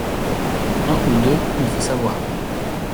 Un ou deux il faut savoir.